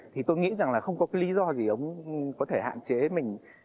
thì tôi nghĩ rằng là không có cái lý do gì ông có thể hạn chế mình